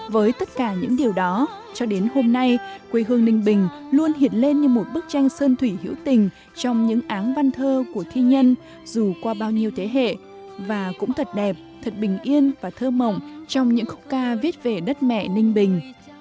với tất cả những điều đó cho đến hôm nay quê hương ninh bình luôn hiện lên như một bức tranh sơn thủy hữu tình trong những áng văn thơ của thiên nhân dù qua bao nhiêu thế hệ và cũng thật đẹp thật bình yên và thơ mộng trong những khúc ca viết về đất mẹ ninh bình